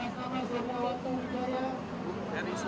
kalau untuk surat keterangan bisa ya